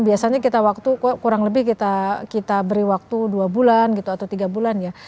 biasanya kita waktu kurang lebih kita beri waktu dua bulan gitu atau tiga bulan ya